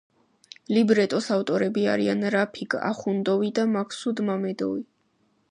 ლიბრეტოს ავტორები არიან რაფიგ ახუნდოვი და მაქსუდ მამედოვი.